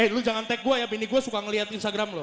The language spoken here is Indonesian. eh lu jangan tag gua ya bini gua suka ngeliat instagram lu